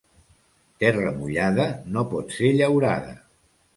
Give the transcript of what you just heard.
Terra mullada no pot ser llaurada.